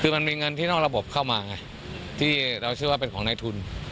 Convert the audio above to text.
คือมันมีเงินที่นอกระบบเข้ามาไงที่เราเชื่อว่าเป็นของในทุน